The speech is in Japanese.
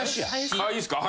あっいいっすか。